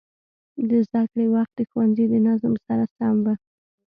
د زده کړې وخت د ښوونځي د نظم سره سم و.